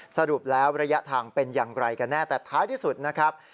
สรุปแล้วระยะทางเป็นอย่างไรกันแน่แต่ท้ายที่สุดนะครับ